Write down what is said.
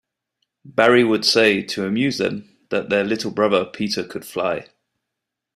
Barrie would say, to amuse them, that their little brother Peter could fly.